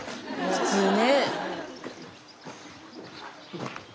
普通ね。